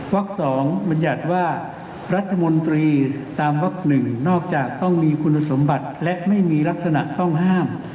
๒บรรยัติว่ารัฐมนตรีตามวัก๑นอกจากต้องมีคุณสมบัติและไม่มีลักษณะต้องห้าม